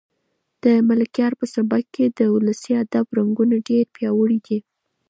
د ملکیار په سبک کې د ولسي ادب رنګونه ډېر پیاوړي دي.